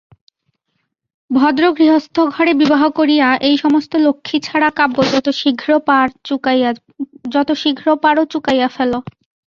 ভদ্র গৃহস্থঘরে বিবাহ করিয়া এই-সমস্ত লক্ষ্মীছাড়া কাব্য যত শীঘ্র পার চুকাইয়া ফেলো।